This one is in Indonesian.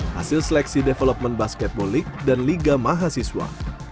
hasil seleksi development basketball league dan liga mahasiswa